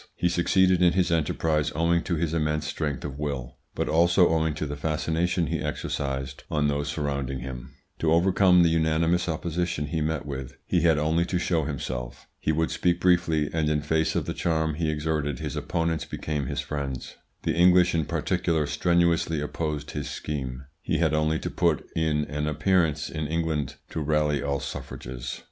He succeeded in his enterprise owing to his immense strength of will, but also owing to the fascination he exercised on those surrounding him. To overcome the unanimous opposition he met with, he had only to show himself. He would speak briefly, and in face of the charm he exerted his opponents became his friends. The English in particular strenuously opposed his scheme; he had only to put in an appearance in England to rally all suffrages.